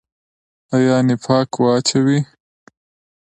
آیا نفاق واچوي؟